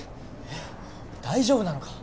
えっ大丈夫なのか？